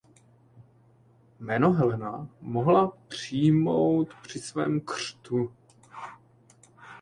Jméno Helena mohla přijmout při svém křtu.